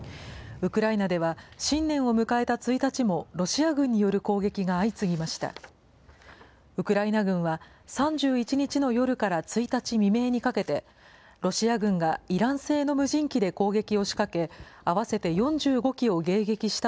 ウクライナでは、新年を迎えた１日もロシア軍による攻撃が相次ぎました。